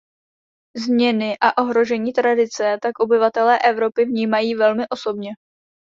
Změny a ohrožení tradice tak obyvatelé Evropy vnímají velmi osobně.